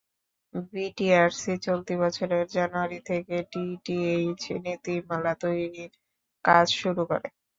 BTRC চলতি বছরের জানুয়ারি থেকে ডিটিএইচ নীতিমালা তৈরির কাজ শুরু করে।